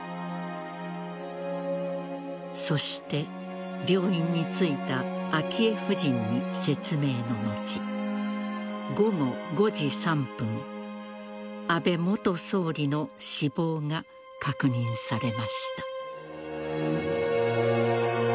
そして病院に着いた昭恵夫人に説明の後午後５時３分安倍元総理の死亡が確認されました。